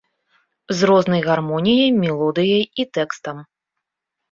З рознай гармоніяй, мелодыяй і тэкстам.